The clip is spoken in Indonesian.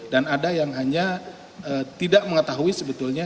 dan ada yang hanya tidak mengetahui sebetulnya